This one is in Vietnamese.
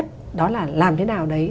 lúc nhất đó là làm thế nào đấy